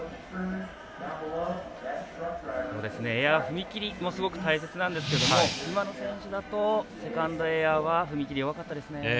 エア、踏み切りもすごく大切なんですけど今の選手だとセカンドエアは踏み切り、弱かったですね。